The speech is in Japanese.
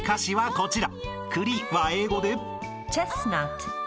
こちら。